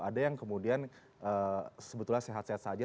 ada yang kemudian sebetulnya sehat sehat saja